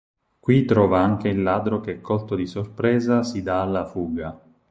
Qui trova anche il ladro che colto di sorpresa si dà alla fuga.